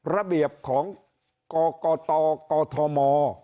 ระเบียบของกกตกธม